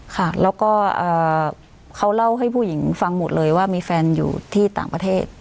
ค่ะแล้วก็เขาเล่าให้ผู้หญิงฟังหมดเลยว่ามีแฟนอยู่ที่ต่างประเทศ